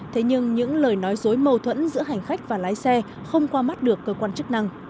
thế nhưng những lời nói dối mâu thuẫn giữa hành khách và lái xe không qua mắt được cơ quan chức năng